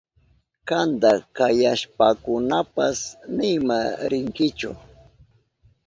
Kanta kayashpankunapas nima rinkichu.